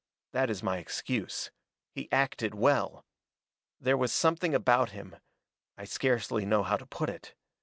That is my excuse. He acted well. There was something about him I scarcely know how to put it.